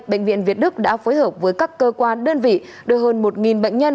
bệnh viện việt đức đã phối hợp với các cơ quan đơn vị đưa hơn một bệnh nhân